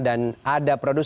dan ada produksi